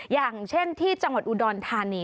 อย่างเช่นที่จังหวัดอุดรธานี